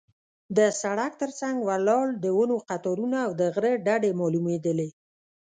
د سړک تر څنګ ولاړ د ونو قطارونه او د غره ډډې معلومېدلې.